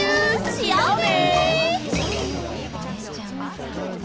しようね！